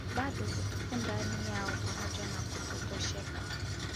bado utupu ndani yao pamoja na kutotosheka